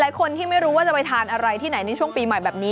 หลายคนที่ไม่รู้ว่าจะไปทานอะไรที่ไหนในช่วงปีใหม่แบบนี้